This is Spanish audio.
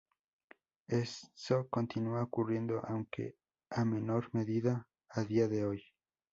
Eso continúa ocurriendo aunque a menor medida a día de hoy.